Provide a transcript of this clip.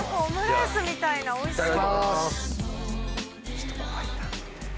ちょっと怖いな。